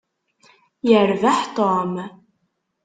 Yerbeḥ Tom.